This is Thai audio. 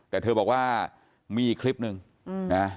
แต่เธอบอกว่ามีอีกคลิปหนึ่งนะ